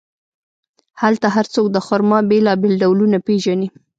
هلته هر څوک د خرما بیلابیل ډولونه پېژني.